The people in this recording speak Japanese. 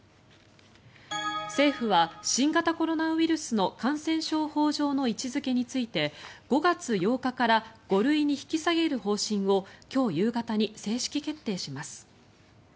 政府は新型コロナウイルスの感染症法上の位置付けについて５月８日から５類に引き下げる方針を今日夕方に正式決定します。